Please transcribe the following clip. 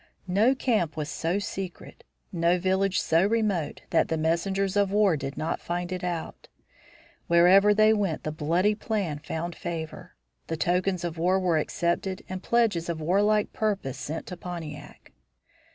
No camp was so secret, no village so remote, that the messengers of war did not find it out. Wherever they went the bloody plan found favor; the tokens of war were accepted and pledges of warlike purpose sent to Pontiac.